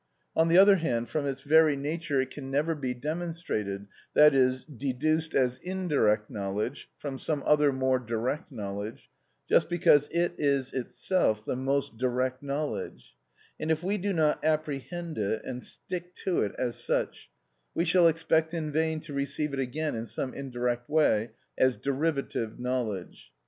On the other hand, from its very nature it can never be demonstrated, that is, deduced as indirect knowledge from some other more direct knowledge, just because it is itself the most direct knowledge; and if we do not apprehend it and stick to it as such, we shall expect in vain to receive it again in some indirect way as derivative knowledge.